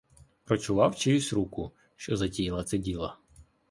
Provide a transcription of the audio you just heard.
Прочував чиюсь руку, що затіяла це діло.